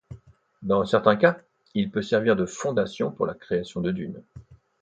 Dans certains cas, il peut servir de fondations pour la création de dunes.